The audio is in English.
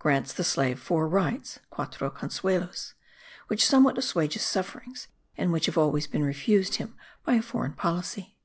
"grants the slave four rights (quatro consuelos) which somewhat assuage his sufferings and which have always been refused him by a foreign policy.